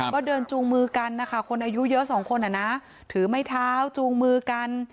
ก็เดินจูงมือกันคนอายุเยอะ๒คนถือไม้เท้าจูงมือกัน